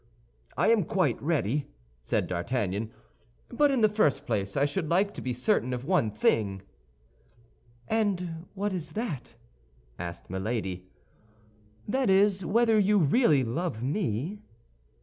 "I am quite ready," said D'Artagnan; "but in the first place I should like to be certain of one thing." "And what is that?" asked Milady. "That is, whether you really love me?"